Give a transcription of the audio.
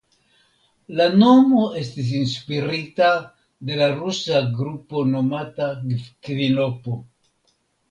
La nomo estis inspirita de la rusa grupo nomata kvinopo.